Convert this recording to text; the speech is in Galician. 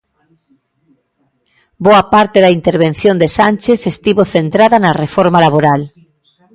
Boa parte da intervención de Sánchez estivo centrada na reforma laboral.